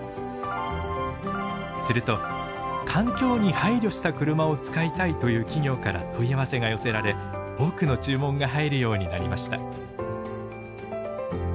すると環境に配慮した車を使いたいという企業から問い合わせが寄せられ多くの注文が入るようになりました。